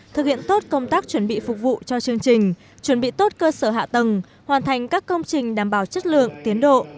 thực hiện tốt công tác chuẩn bị phục vụ cho chương trình chuẩn bị tốt cơ sở hạ tầng hoàn thành các công trình đảm bảo chất lượng tiến độ